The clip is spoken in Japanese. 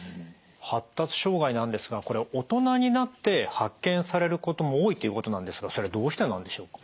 発達障害なんですが大人になって発見されることも多いっていうことなんですがそれはどうしてなんでしょうか？